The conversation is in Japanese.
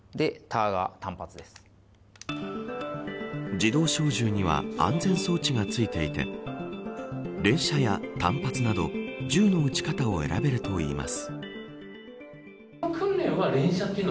自動小銃には安全装置が付いていて連射や単発など銃の撃ち方を選べるといいます。